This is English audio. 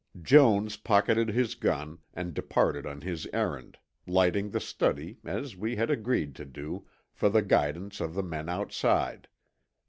Jones pocketed his gun, and departed on his errand, lighting the study, as we had agreed to do, for the guidance of the men outside.